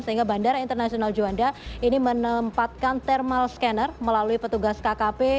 sehingga bandara internasional juanda ini menempatkan thermal scanner melalui petugas kkp